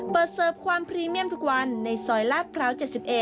เสิร์ฟความพรีเมียมทุกวันในซอยลาดพร้าว๗๑